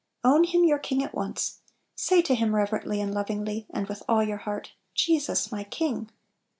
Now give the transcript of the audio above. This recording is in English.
Own Him your King at once; say to Him reverently, and lovingly, and with all your heart, " Jesus, my King